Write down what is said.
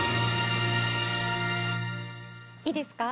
いいですか？